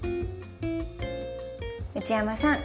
内山さん